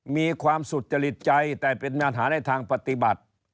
มีความสุจริตใจแต่เป็นงานหาในทางปฏิบัติ